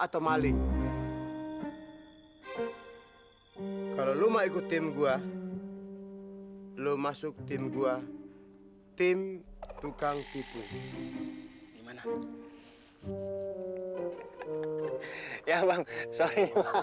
tapi kalau cari waktu sholat itu yang susah